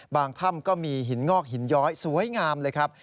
ถ้ำก็มีหินงอกหินย้อยสวยงามเลยครับ